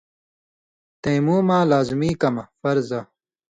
تَیمُوماں لازمی کمہۡ (فرضہ)